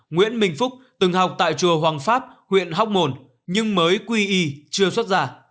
nguyễn minh phúc từng học tại chùa hoàng pháp huyện hóc mồn nhưng mới quy y chưa xuất ra